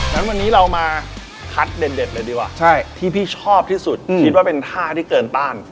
งั้นวันนี้เรามาคัดเด็ดเลยดีกว่าที่พี่ชอบที่สุดคิดว่าเป็นท่าที่เกินต้าน